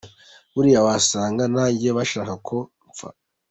Buriya wasanga nanjye bashaka ko mpfa.